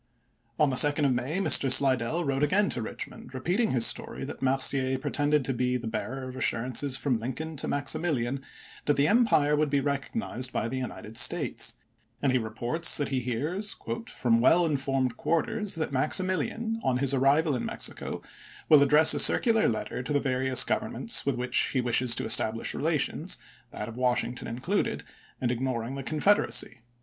1864. On the 2d of May, Mr. Slidell wrote again to Eichmond, repeating his story that Mercier pre tended to be the bearer of assurances from Lincoln MAXIMILIAN 415 to Maximilian that the empire would be recognized chap. xiv. by the United States ; x and he reports also that he hears "from well informed quarters that Maxi milian, on his arrival in Mexico, will address a circular letter to the various governments with which he wishes to establish relations, that of Washington included, and ignoring the Confed eracy.